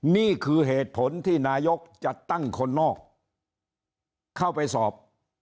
นี่คือเหตุผลที่นายกจะตั้งคนนอกเข้าไปสอบ